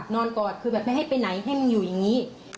กอดคือแบบไม่ให้ไปไหนให้มันอยู่อย่างนี้